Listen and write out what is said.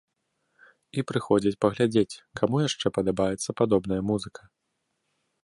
І прыходзяць паглядзець, каму яшчэ падабаецца падобная музыка.